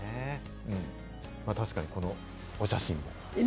確かにこのお写真も。